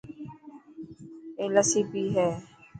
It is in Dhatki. ائي لسي پئي هي.